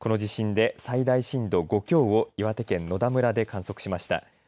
この地震で最大震度５強を岩手県野田村で観測しました。